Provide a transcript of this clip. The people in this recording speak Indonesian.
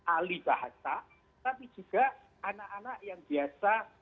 ahli bahasa tapi juga anak anak yang biasa